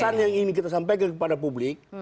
pesan yang ingin kita sampaikan kepada publik